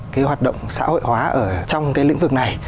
cái hoạt động xã hội hóa ở trong cái lĩnh vực này